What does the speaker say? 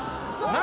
何？